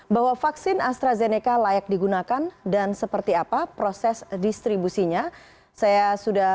bahwa vaksin astrazeneca layak digunakan dan seperti apa proses distribusinya saya sudah